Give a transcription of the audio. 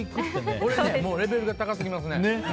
レベルが高すぎますね。